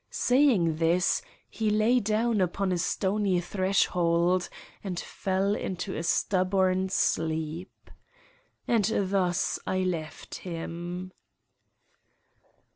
Saying this, he lay down upon a stony threshold and fell into a stubborn sleep. And thus I left him.